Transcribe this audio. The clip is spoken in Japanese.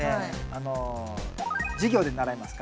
あの授業で習います。